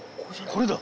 これだ！